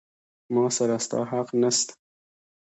ما سره ستا حق نسته.